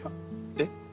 えっ？